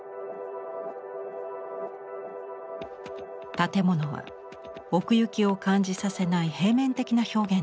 建物は奥行きを感じさせない平面的な表現です。